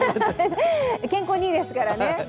健康にいいですからね。